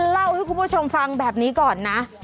เล่าให้คุณผู้ชมฟังแบบนี้ก่อนนะ